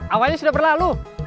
awalnya sudah berlalu